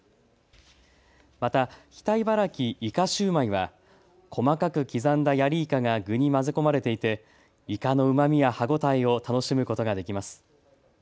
また北茨城いかシューマイは細かく刻んだヤリイカが具に混ぜ込まれていてイカのうまみや歯ごたえを楽しむことができます。